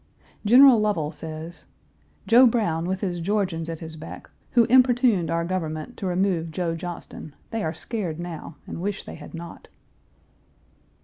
General Lovell says, "Joe Brown, with his Georgians at his back, who importuned our government to remove Joe Johnston, they are scared now, and wish they had not."